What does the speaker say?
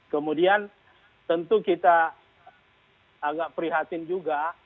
kemudian tentu kita agak prihatin juga